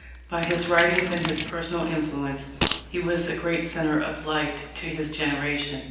By his writings and his personal influence he was a great centre of light to his generation.